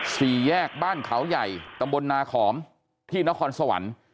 สี่แยกบ้านเขาใหญ่ตำบลนาขอมที่นครสวรรค์